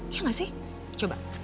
iya gak sih coba